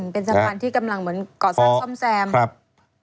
เป็นสะพานที่กำลังเหมือนก่อสร้างซ่อมแซมครับ